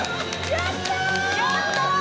やったー！